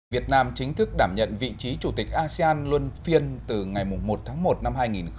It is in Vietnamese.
việt nam chính thức đảm nhận vị trí chủ tịch asean luân phiên từ ngày một tháng một năm hai nghìn hai mươi